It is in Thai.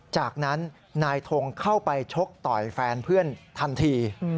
จากนั้นนายทงเข้าไปชกต่อยแฟนเพื่อนทันที